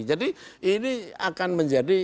jadi ini akan menjadi